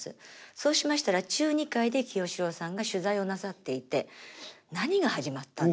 そうしましたら中２階で清志郎さんが取材をなさっていて「何が始まったんだ？」と。